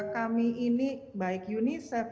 kami ini baik unicef